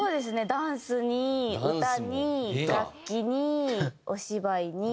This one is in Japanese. ダンスに歌に楽器にお芝居に。